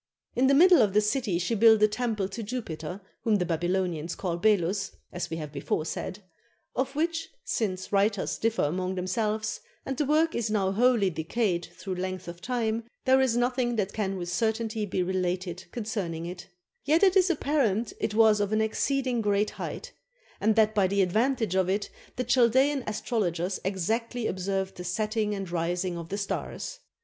In the middle of the city she built a temple to Jupiter, whom the Babylonians call Belus, as we have before said, of which, since writers differ amongst themselves, and the work is now wholly decayed through length of time, there is nothing that can with certainty be related concerning it; yet it is apparent it was of an exceeding great height, and that by the advantage of it the Chal daean astrologers exactly observed the setting and rising of the stars.